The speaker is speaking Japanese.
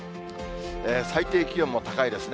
最低気温も高いですね。